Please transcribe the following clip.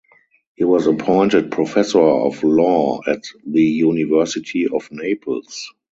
He was appointed professor of law at the University of Naples.